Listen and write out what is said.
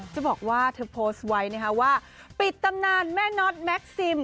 จะบอกว่าเธอโพสต์ไว้นะคะว่าปิดตำนานแม่น็อตแม็กซิม